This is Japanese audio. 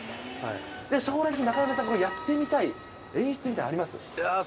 将来的に中山さん、やってみたい演出みたいなのあります？